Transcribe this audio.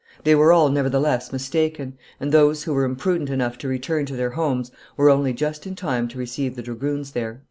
They were all, nevertheless, mistaken; and those who were imprudent enough to return to their homes were only just in time to receive the dragoons there."